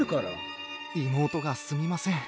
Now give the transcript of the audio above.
妹がすみません。